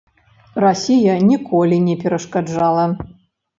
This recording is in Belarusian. Расія ніколі не перашкаджала.